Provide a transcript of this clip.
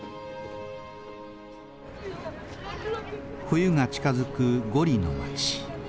冬が近づくゴリの町。